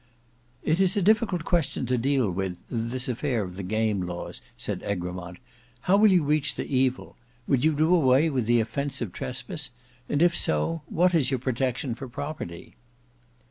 "It is a difficult question to deal with—this affair of the game laws," said Egremont; "how will you reach the evil? Would you do away with the offence of trespass? And if so, what is your protection for property?"